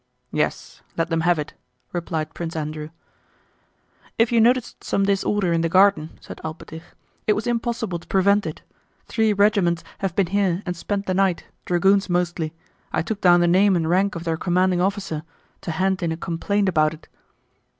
"Yes, let them have it," replied Prince Andrew. "If you noticed some disorder in the garden," said Alpátych, "it was impossible to prevent it. Three regiments have been here and spent the night, dragoons mostly. I took down the name and rank of their commanding officer, to hand in a complaint about it."